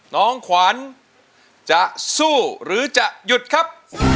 น้องขวัญจะสู้หรือจะหยุดครับ